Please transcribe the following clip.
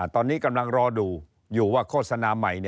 ตอนนี้กำลังรอดูอยู่ว่าโฆษณาใหม่